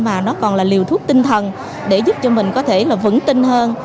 mà nó còn là liều thuốc tinh thần để giúp cho mình có thể là vững tin hơn